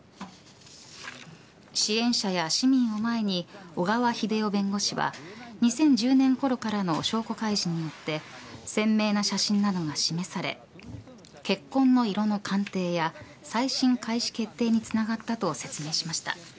支援者や市民を前に小川秀世弁護士は２０１０年ごろからの証拠開示によって鮮明な写真などが示され血痕の色の鑑定や再審開始決定につながったと説明しました。